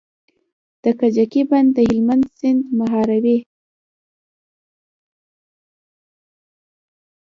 د کجکي بند د هلمند سیند مهاروي